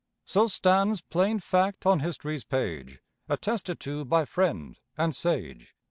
So stands plain fact on history's page, Attested to by friend and sage.